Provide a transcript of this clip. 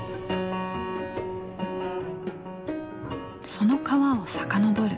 その川を遡る。